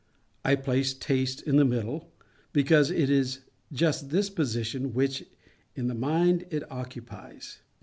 I place Taste in the middle, because it is just this position which in the mind it occupies.